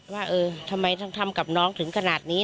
ว่าเออทำไมต้องทำกับน้องถึงขนาดนี้